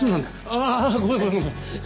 ああごめんごめんごめん。